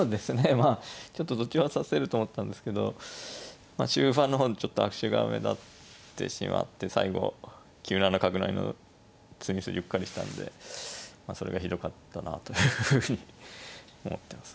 まあちょっと途中は指せると思ったんですけど終盤の方にちょっと悪手が目立ってしまって最後９七角成の詰み筋うっかりしたんでまあそれがひどかったなというふうに思ってます